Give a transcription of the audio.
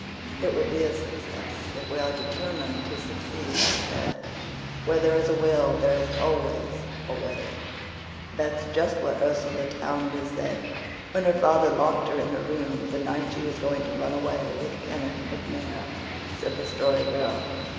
"It will be a success if we are determined to succeed," I said. "'Where there is a will there is always a way.'" "That's just what Ursula Townley said when her father locked her in her room the night she was going to run away with Kenneth MacNair," said the Story Girl.